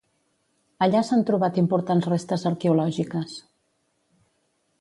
Allà s'han trobat importants restes arqueològiques.